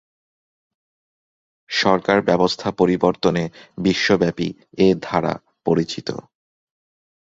সরকার ব্যবস্থা পরিবর্তনে বিশ্বব্যাপী এ ধারা পরিচিত।